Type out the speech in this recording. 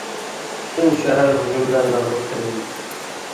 پۈتۈن شەھەر ھۇجۇم بىلەن مەغلۇپ قىلىندى.